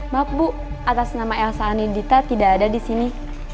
maaf bu atas nama elsa anidita tidak ada di sini